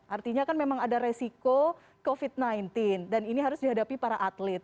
artinya kan memang ada resiko covid sembilan belas dan ini harus dihadapi para atlet